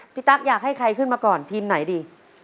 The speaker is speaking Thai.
ตั๊กอยากให้ใครขึ้นมาก่อนทีมไหนดี